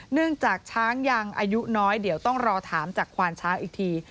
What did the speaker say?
เนื่องจากช้างยังอายุน้อยเดี๋ยวต้องรอถามจากควานช้างอีกที